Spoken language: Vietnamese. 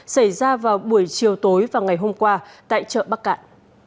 xảy ra vào buổi chiều tối và ngày hôm qua tại chợ bắc cạn